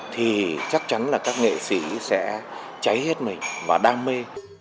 thì chắc chắn là các nghệ sĩ sẽ cháy hết mình và đam mê